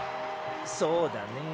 そうだねえ。